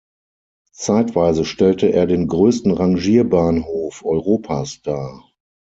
Zeitweise stellte er den „größten Rangierbahnhof Europas“ dar.